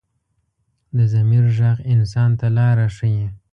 د ضمیر غږ انسان ته لاره ښيي